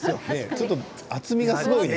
ちょっと厚みがすごいね。